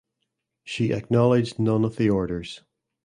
She acknowledged none of the orders.